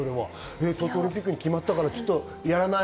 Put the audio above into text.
東京オリンピック決まったからやらない？